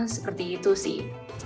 seperti itu sih